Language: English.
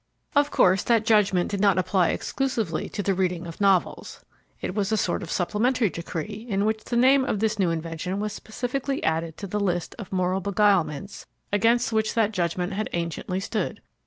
Of course, that judgment did not apply exclusively to the reading of novels. It was a sort of supplementary decree in which the name of this new invention was specifically added to the list of moral beguilements against which that judgment had anciently stood.